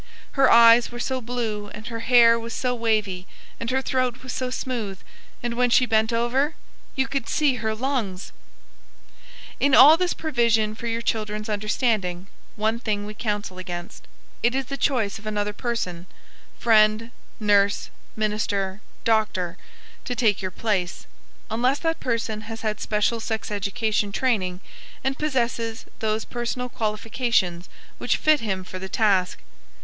Her eyes were so blue and her hair was so wavy and her throat was so smooth, and when she bent over, "you could see her lungs!" In all this provision for your children's understanding, one thing we counsel against. It is the choice of another person friend, nurse, minister, doctor to take your place, unless that person has had special sex education training and possesses those personal qualifications which fit him for the task.